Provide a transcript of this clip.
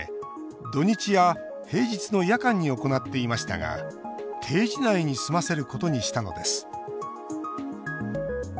土日や平日の夜間に行っていましたが、定時内に済ませることにしたのです。